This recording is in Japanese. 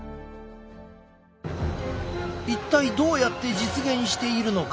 一体どうやって実現しているのか？